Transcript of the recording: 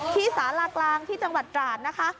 สารากลางที่จังหวัดตราดนะคะ